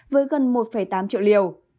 với gần một tám triệu liều